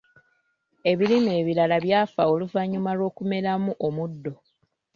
Ebirime ebirala byafa oluvannyuma lw'okumeramu omuddo.